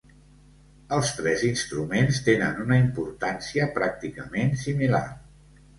Els tres instruments tenen una importància pràcticament similar.